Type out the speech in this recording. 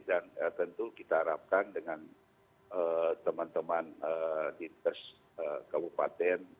dan tentu kita harapkan dengan teman teman di pers kabupaten